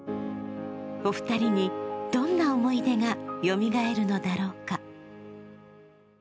お二人にどんな思い出がよみがえるのだろうか。